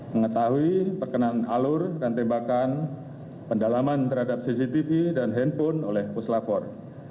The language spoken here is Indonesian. mengetahui perkenan alur dan tembakan pendalaman terhadap cctv dan handphone oleh puslapor